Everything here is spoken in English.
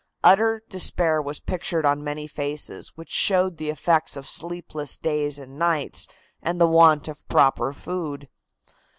Utter despair was pictured on many faces, which showed the effects of sleepless days and nights, and the want of proper food.